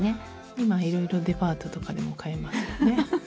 今いろいろデパートとかでも買えますよね。